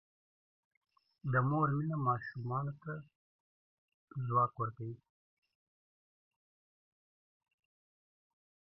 د مور مینه او پاملرنه ماشومانو ته ځواک ورکوي.